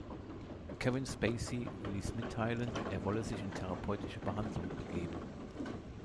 Kevin Spacey ließ mitteilen, er wolle sich in therapeutische Behandlung begeben.